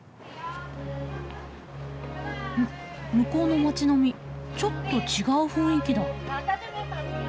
向こうの町並みちょっと違う雰囲気だ。